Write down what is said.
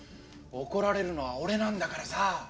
怒られるのは俺なんだからさ。